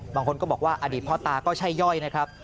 บางคนก็บอกว่าอดีตพ่อตาก็ใช่ย่อยนะครับ